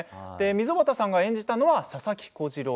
溝端さんが演じたのは佐々木小次郎。